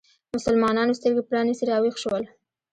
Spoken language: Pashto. مسلمانانو سترګې پرانیستې راویښ شول